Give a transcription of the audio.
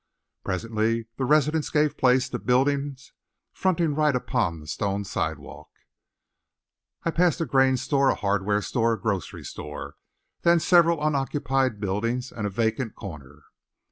Presently the residences gave place to buildings fronting right upon the stone sidewalk. I passed a grain store, a hardware store, a grocery store, then several unoccupied buildings and a vacant corner.